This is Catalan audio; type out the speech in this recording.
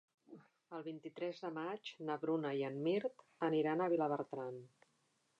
El vint-i-tres de maig na Bruna i en Mirt aniran a Vilabertran.